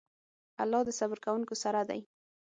الله د صبر کوونکو سره دی.